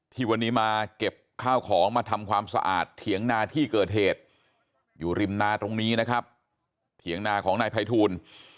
ที่วันนี้มาเก็บข้าวของมาทำความสะอาดเถียงนาที่เกิดเหตุอยู่ริมนาตรงนี้นะครับเถียงนาของนายภัยทูล